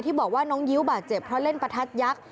บอกว่าน้องยิ้วบาดเจ็บเพราะเล่นประทัดยักษ์